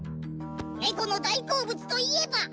「猫の大好物といえば？」。